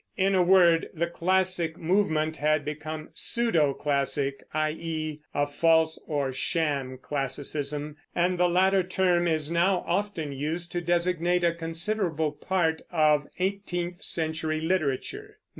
In a word, the classic movement had become pseudo classic, i.e. a false or sham classicism; and the latter term is now often used to designate a considerable part of eighteenth century literature.